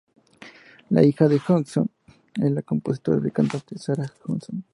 La hija de Hudson es la compositora y cantante Sarah Hudson.